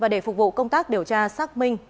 để phục vụ công tác điều tra xác minh